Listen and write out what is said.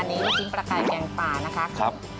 อันนี้จริงปลาไก่แกงปลานะคะ